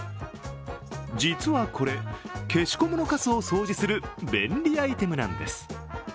実はこれ、消しゴムのかすを掃除する便利アイテムなんです。